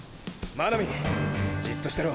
真波じっとしてろ。